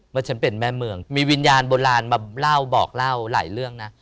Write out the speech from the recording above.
ฉันเป็นแม่เมืองมีวิญญาณโบราณมาเล่าบอกเล่าหลายเรื่องนะ